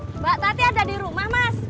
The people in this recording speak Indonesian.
mbak tati ada di rumah mas